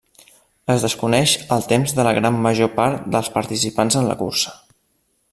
Es desconeix el temps de la gran major part de participants en la cursa.